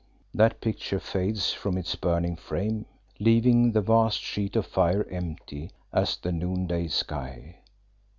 That picture fades from its burning frame, leaving the vast sheet of fire empty as the noonday sky.